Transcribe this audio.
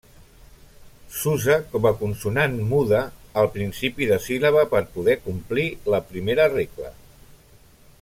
S'usa com consonant muda al principi de síl·laba per poder complir la primera regla.